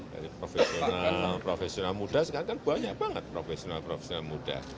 dari profesional profesional muda sekarang kan banyak banget profesional profesional muda